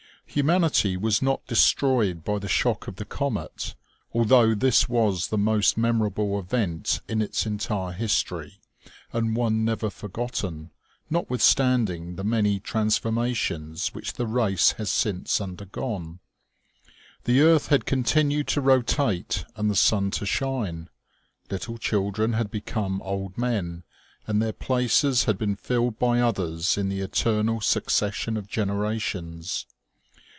Humanity was not destroyed by the shock of the comet, although this was the most memorable event in its entire history, and one never forgotten, notwithstanding the many transforma tions which the race has since undergone. The earth had continued to rotate and the sun to shine ; little chil dren had become old men, and their places had been filled by others in the eternal succession of generations.